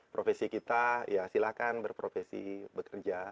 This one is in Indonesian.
profesi kita ya silahkan berprofesi bekerja